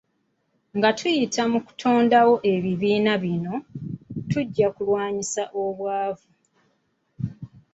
Nga tuyita mu kutondawo ebibiina bino tujja kulwanyisa obwavu.